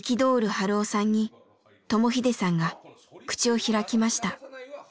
春雄さんに智英さんが口を開きました。